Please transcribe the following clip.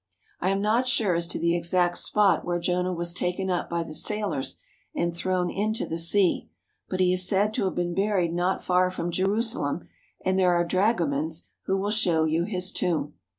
I am not sure as to the exact spot where Jonah was taken up by the sailors and thrown into the sea, but he is said to have been buried not far from Jerusalem, and there are dragomans who will show you his tomb.